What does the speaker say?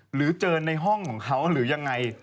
หรือเจอในห้องของเขาหรือยังไง